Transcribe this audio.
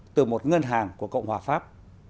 từ một ngân hàng của cộng hòa pháp